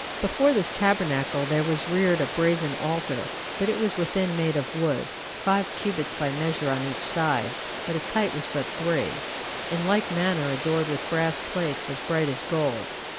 Before this tabernacle there was reared a brazen altar, but it was within made of wood, five cubits by measure on each side, but its height was but three, in like manner adorned with brass plates as bright as gold.